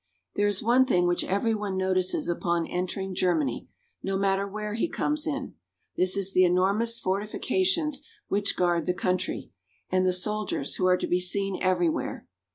There is one thing which every one notices upon enter ing Germany, no matter where he comes in. This is the enormous fortifications which guard the country, and the soldiers, who are to be seen everywhere.